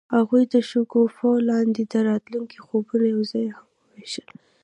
هغوی د شګوفه لاندې د راتلونکي خوبونه یوځای هم وویشل.